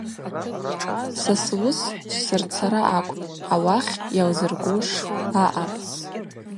Са суыс – швсырцара акӏвпӏ, ауахь йалзыргуш аъапӏ.